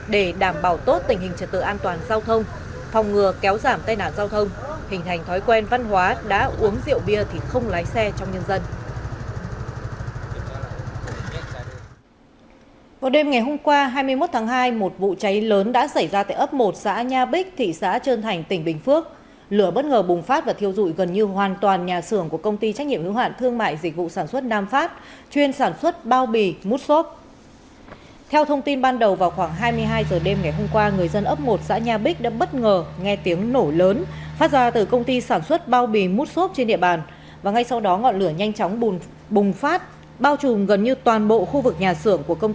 để đảm bảo tốt tình hình trật tự an toàn giao thông phòng ngừa kéo giảm tai nạn giao thông